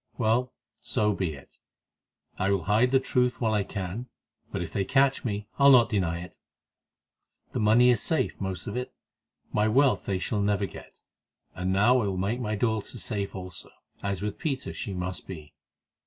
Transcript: Well, so be it; I will hide the truth while I can, but if they catch me I'll not deny it. The money is safe, most of it; my wealth they shall never get, and now I will make my daughter safe also, as with Peter she must be.